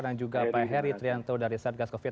dan juga pak heri trianto dari saat kas covid sembilan belas